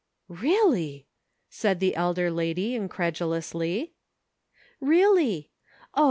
" Really !" said the elder lady, incredulously. " Really ; oh